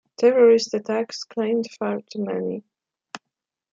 Terrorist attacks claimed far too many.